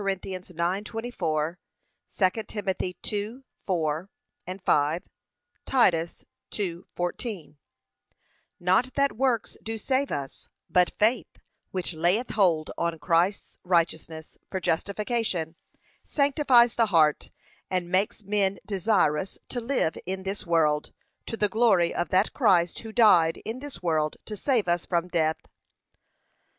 9:24; 2 Tim. 2:4, 5; Titus 2:14) Not that works do save us, but faith, which layeth hold on Christ's righteousness for justification, sanctifies the heart, and makes men desirous to live in this world, to the glory of that Christ who died in this world to save us from death.